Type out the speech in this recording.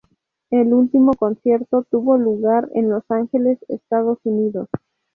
El último concierto tuvo lugar en Los Angeles, Estados Unidos.